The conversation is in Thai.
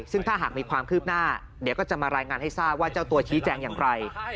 ซึ่งถ้าหากมีความคืบหน้าเดี๋ยวก็จะมารายงานให้ทราบว่าเจ้าตัวชี้แจงอย่างไร